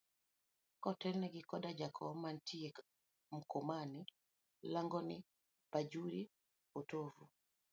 Kotelne gi koda jakom mantie Mkomani, Langoni, Bajuri, potovu.